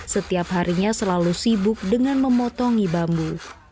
setiap harinya selalu sibuk dengan memotongi bambu